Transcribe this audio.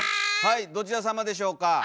はいどちらさまでしょうか？